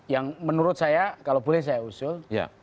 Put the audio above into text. yang menurut saya kalau boleh saya usul